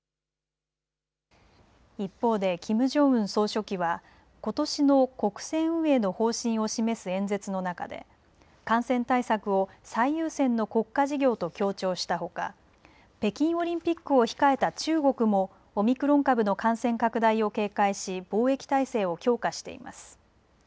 一方でキム・ジョンウン総書記はことしの国政運営の方針を示す演説の中で感染対策を最優先の国家事業と強調したほか北京オリンピックを控えた中国もオミクロン株の感染拡大を警戒し防疫態勢を強化しています。